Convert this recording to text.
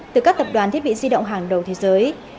từ các tập đoàn thiết bị di động hàng đầu thế giới